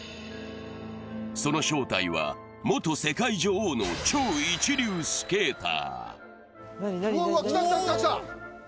その正体は元世界女王の超一流スケーター。